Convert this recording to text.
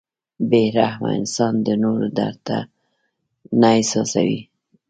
• بې رحمه انسان د نورو درد نه احساسوي.